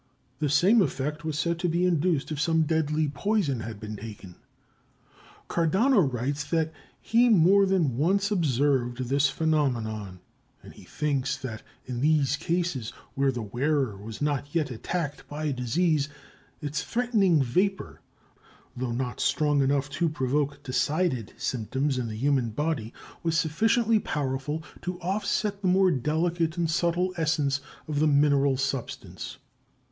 The same effect was said to be induced if some deadly poison had been taken. Cardano writes that he more than once observed this phenomenon, and he thinks that in these cases, where the wearer was not yet attacked by disease, its threatening "vapor," though not strong enough to provoke decided symptoms in the human body, was sufficiently powerful to offset the more delicate and subtle essence of the mineral substance.